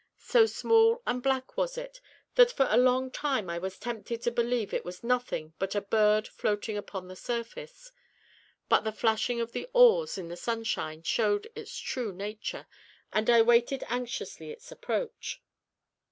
So small and black was it, that for a long time I was tempted to believe it was nothing but a bird floating upon the surface; but the flashing of the oars in the sunshine showed its true nature, and I waited anxiously its approach.